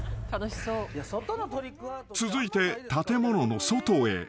［続いて建物の外へ］